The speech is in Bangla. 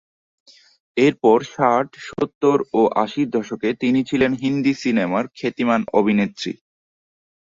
এরপর ষাট, সত্তর ও আশির দশকে তিনি ছিলেন হিন্দি সিনেমার খ্যাতিমান অভিনেত্রী।